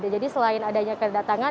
jadi selain adanya kedatangan